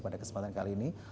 pada kesempatan kali ini